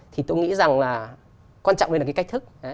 thì tôi nghĩ rằng là quan trọng đây là cái cách thức